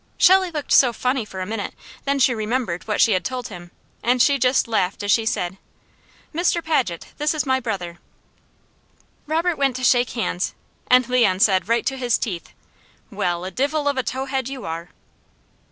Shelley looked so funny for a minute, then she remembered what she had told him and she just laughed as she said: "Mr. Paget, this is my brother." Robert went to shake hands, and Leon said right to his teeth: "Well a divil of a towhead you are!"